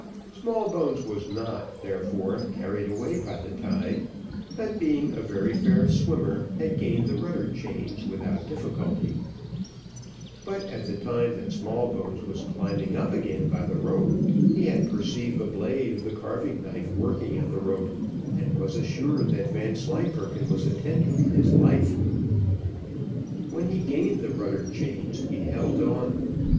Smallbones was not, therefore, carried away by the tide, but being a very fair swimmer, had gained the rudder chains without difficulty; but at the time that Smallbones was climbing up again by the rope, he had perceived the blade of the carving knife working at the rope, and was assured that Vanslyperken was attempting his life. When he gained the rudder chains, he held on.